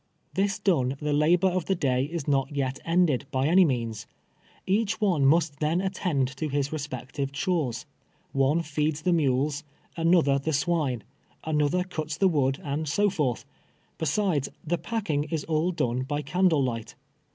Tliis done, the labor of the day is not yet ended, by any means. Each one must then attend to his re spective chores. One feeds the mules, another the swine •— another cuts the wood, and so forth ; besides, the packing is all done by candle light.